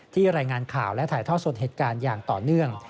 รายงานข่าวและถ่ายทอดสดเหตุการณ์อย่างต่อเนื่อง